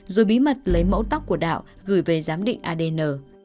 rồi bí mật lấy mẫu tóc của đạo gửi về giám định adn